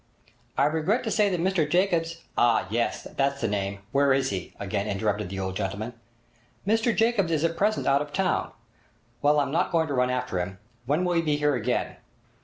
'I regret to say that Mr Jacobs——' 'Ah, yes! That's the name. Where is he?' again interrupted the old gentleman. 'Mr Jacobs is at present out of town.' 'Well, I'm not going to run after him. When will he be here again?'